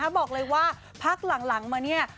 บอกเลยว่าพักหลังมาเนี่ย